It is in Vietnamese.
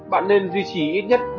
bạn nên duy trì ít nhất